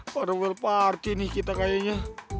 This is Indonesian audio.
padahal party nih kita kayaknya